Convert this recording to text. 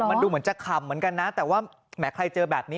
มันดูเหมือนจะขำเหมือนกันนะแต่ว่าแหมใครเจอแบบนี้